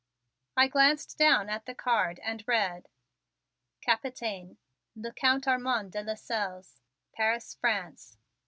I glanced down at the card and read: Capitaine, le Count Armond de Lasselles, Paris, France.